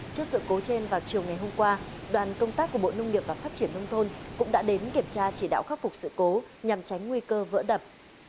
trước sự cố trên vào chiều ngày hôm qua đoàn công tác của bộ nông nghiệp và phát triển nông thôn cũng đã đến kiểm tra chỉ đạo khắc phục sự cố nhằm tránh nguy cơ vỡ đập